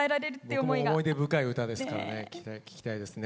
僕も思い出深い歌ですからね聴きたいですね。